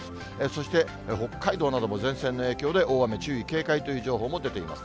そして北海道なども前線の影響で大雨、注意、警戒という情報も出ています。